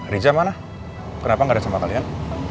riza mana kenapa nggak ada sama kalian